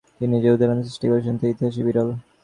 তিনি যে উদাহরণ সৃষ্টি করেছেন তা ইতিহাসে বিরল।